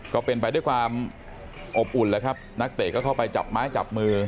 ก็เป็นไปด้วยความอบอุ่นแล้วครับนักเตะก็เข้าไปจับไม้จับมือ